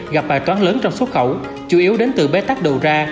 gặp bài toán lớn trong xuất khẩu chủ yếu đến từ bế tắc đầu ra